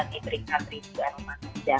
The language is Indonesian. di amerika di indonesia di eropa